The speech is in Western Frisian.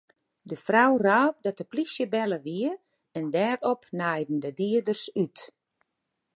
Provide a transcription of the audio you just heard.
De frou rôp dat de plysje belle wie en dêrop naaiden de dieders út.